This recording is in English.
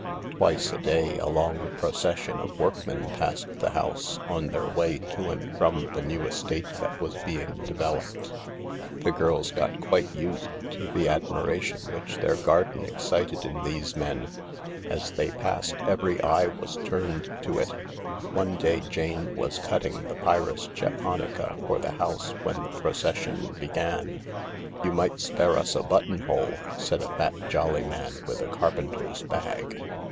Twice a day a long procession of workmen passed the house, on their way to and from the new estate that was being (developed) . The girls got quite used to the admiration which their garden excited in these men. As they passed every eye was turned to it. One day Jane was cutting the pyrus japonica for the house when the procession began. "You might spare us a buttonhole," said a fat, jolly man with a carpenter's bag.